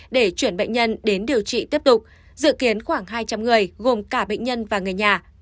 để chuyển bệnh nhân đến điều trị tiếp tục dự kiến khoảng hai trăm linh người gồm cả bệnh nhân và người nhà